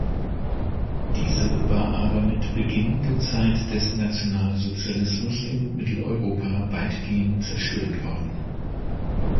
Diese war aber mit Beginn der Zeit des Nationalsozialismus in Mitteleuropa weitgehend zerstört worden.